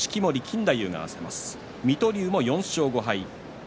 水戸龍も４勝５敗。